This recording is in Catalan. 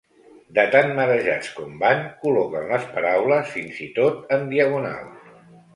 De tan marejats com van, col·loquen les paraules fins i tot en diagonal.